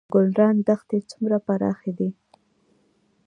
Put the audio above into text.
ګلران دښتې څومره پراخې دي؟